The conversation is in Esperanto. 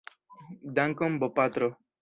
Dankon bopatro.